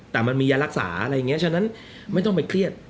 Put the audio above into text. แต่มันมียารักษาอะไรอย่างนี้ฉะนั้นไม่ต้องไปเครียด